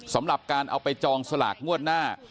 สำหรับการเอาไปจองสลากงวดหน้า